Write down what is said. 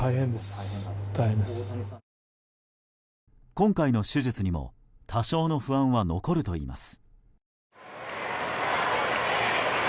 今回の手術にも多少の不安は残るといいます。